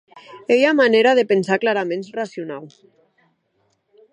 Ei ua manèra de pensar claraments racionau.